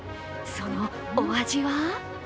そのお味は？